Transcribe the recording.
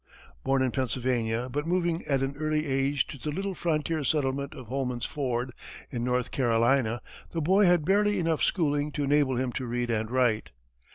Born in Pennsylvania, but moving at an early age to the little frontier settlement of Holman's Ford, in North Carolina, the boy had barely enough schooling to enable him to read and write.